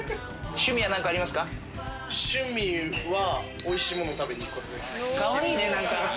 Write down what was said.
趣味は美味しいものを食べに行くことです。